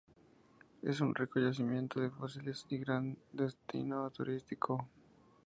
Es un rico yacimiento de fósiles y gran destino turístico.